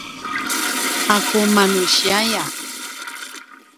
’aku manusiaya